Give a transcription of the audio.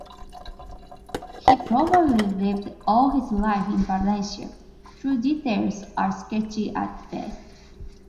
He probably lived all his life in Valencia, though details are sketchy at best.